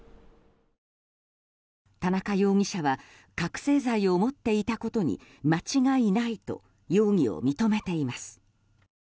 田中容疑者は覚醒剤を持っていたことに間違いないと容疑を認めています。